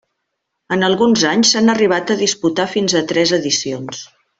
En alguns anys s'han arribat a disputar fins a tres edicions.